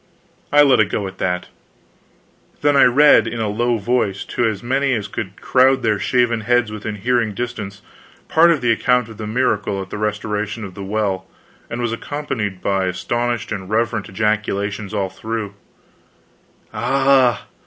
I let it go at that. Then I read in a low voice, to as many as could crowd their shaven heads within hearing distance, part of the account of the miracle of the restoration of the well, and was accompanied by astonished and reverent ejaculations all through: "Ah h h!"